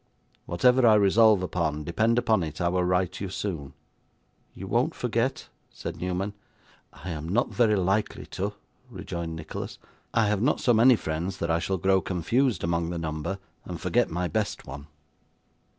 Whatever I resolve upon, depend upon it I will write you soon.' 'You won't forget?' said Newman. 'I am not very likely to,' rejoined Nicholas. 'I have not so many friends that I shall grow confused among the number, and forget my best one.